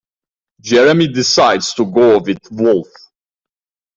Jeremy decides to go with Worf.